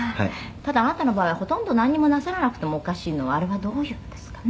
「ただあなたの場合はほとんどなんにもなさらなくてもおかしいのはあれはどういうんですかね？」